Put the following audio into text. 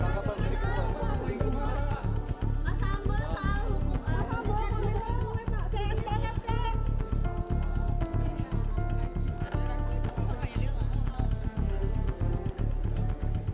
tanggapan sedikit pak